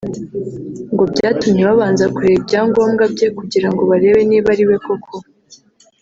ngo byatumye babanza kureba ibyangombwa bye kugira ngo barebe niba ari we koko